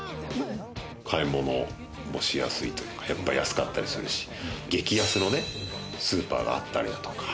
買い物もしやすいというか、安かったりするし激安のスーパーがあったりだとか。